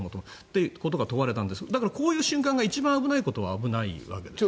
そういうことが問われたんですがだからこういう瞬間が一番危ないことは危ないんだよね。